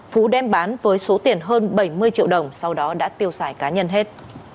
phú đem bán với số tiền hơn bảy mươi triệu đồng sau đó đã tiêu xài cá nhân hết